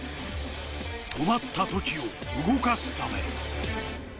止まった時を動かすため。